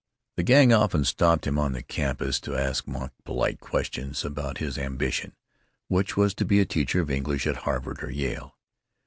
The Gang often stopped him on the campus to ask mock polite questions about his ambition, which was to be a teacher of English at Harvard or Yale.